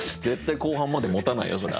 絶対後半までもたないよ